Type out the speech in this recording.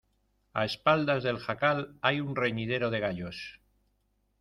a espaldas del jacal hay un reñidero de gallos.